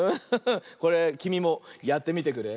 これきみもやってみてくれ。